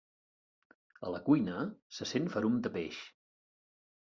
A la cuina se sent ferum de peix.